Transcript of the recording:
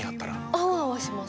アワアワします